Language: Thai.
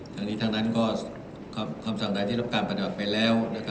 ทั้งนี้ทั้งนั้นความชามใดที่รับการประนับเป็นแล้ว